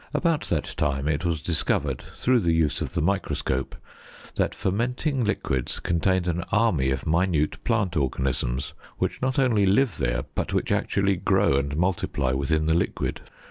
About that time it was discovered, through the use of the microscope, that fermenting liquids contain an army of minute plant organisms which not only live there, but which actually grow and multiply within the liquid.